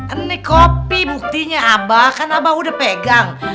ini kopi buktinya abah kan abah udah pegang